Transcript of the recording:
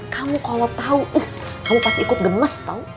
kamu kalo tau ih kamu pasti ikut gemes tau